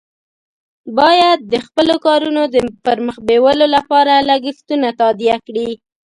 باید د خپلو کارونو د پر مخ بیولو لپاره لګښتونه تادیه کړي.